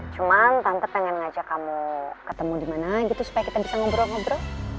cuman tante pengen ngajak kamu ketemu dimana gitu supaya kita bisa ngobrol ngobrol